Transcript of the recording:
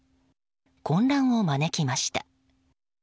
混乱を招きました。